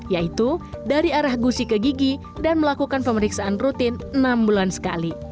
yaitu dari arah gusi ke gigi dan melakukan pemeriksaan rutin enam bulan sekali